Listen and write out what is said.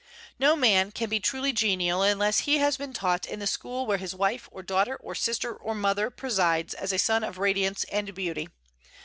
No man can be truly genial unless he has been taught in the school where his wife, or daughter, or sister, or mother presides as a sun of radiance and beauty.